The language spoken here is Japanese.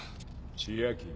千秋。